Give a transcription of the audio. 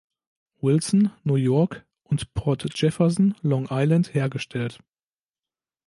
Wilson, New York und Port Jefferson, Long Island hergestellt.